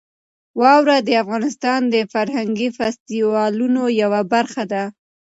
واوره د افغانستان د فرهنګي فستیوالونو یوه برخه ده.